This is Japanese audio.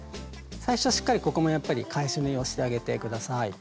最初はしっかりここもやっぱり返し縫いをしてあげて下さい。